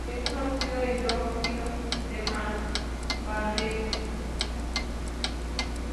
Es un óxido e hidróxido de manganeso.